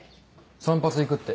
散髪行くって。